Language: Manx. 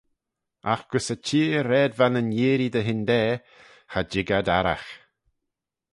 Agh gys y cheer raad va nyn yeearree dy hyndaa, cha jig ad arragh.